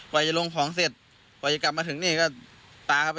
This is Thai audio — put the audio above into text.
กลับมากันก็ตระไปเที่ยงคืนตีหนึ่งครับ